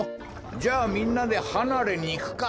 じゃあみんなではなれにいくか。